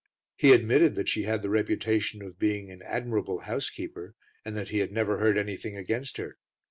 He admitted that she had the reputation of being an admirable housekeeper and that he had never heard anything against her.